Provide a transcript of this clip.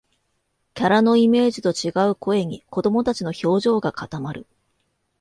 キャラのイメージと違う声に、子どもたちの表情が固まる